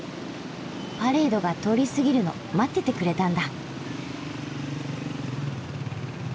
パレードが通り過ぎるの待っててくれたんだ。